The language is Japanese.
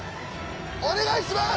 お願いします！